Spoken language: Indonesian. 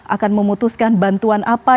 akan memutuskan bantuan apa